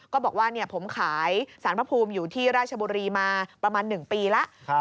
ก็บอกว่าผมขายสารพระภูมิอยู่ที่ราชบุรีมาประมาณ๑ปีแล้ว